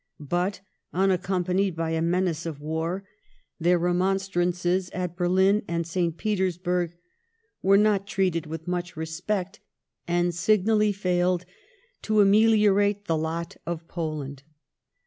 But^ unaccompanied by a menace of war, their remonstrances at Berlin and St« Petersburg were not treated with much respect, and fiignally failed to ameliorate the lot of Poland.